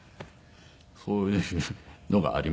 そういうのがありました。